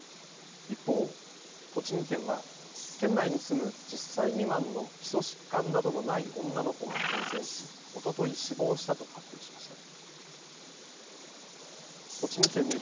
一方、栃木県は県内に住む１０歳未満の基礎疾患などのない女の子が感染しおととい死亡したと発表しました。